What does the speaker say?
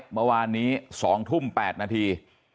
เมื่อวานนี้๒ทุ่ม๘นาที